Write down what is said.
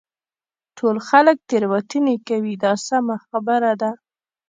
ټول خلک تېروتنې کوي دا سمه خبره ده.